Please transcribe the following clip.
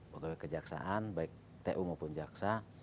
pegawai kejaksaan baik tu maupun jaksa